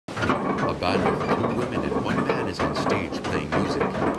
A band with two women and one man is on stage playing music.